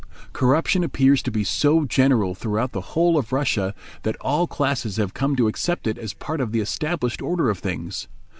Corruption appears to be so general throughout the whole of Russia that all classes have come to accept it as part of the established order of things.